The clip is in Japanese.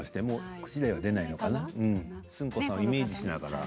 寿ん子さんをイメージしながら。